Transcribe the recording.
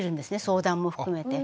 相談も含めて。